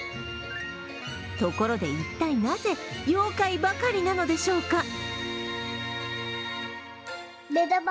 ところで一体なぜ、妖怪ばかりなのでしょうか。